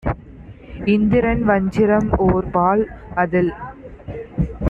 இந்திரன் வச்சிரம் ஓர்பால் - அதில்